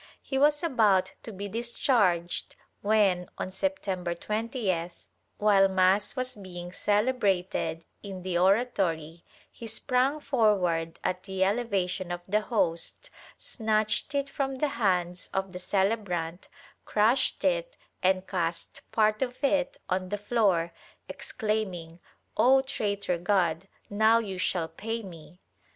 He was about to be discharged when, on September 20th, while mass was being celebrated in the oratory, he sprang forward at the elevation of the Host, snatched it from the hands of the celebrant, crushed it and cast part of it on the floor, exclaiming "0 traitor God, now you shall pay me!"